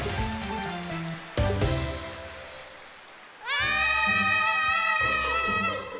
わい！